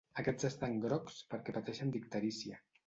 Aquests estan grocs perquè pateixen d'icterícia.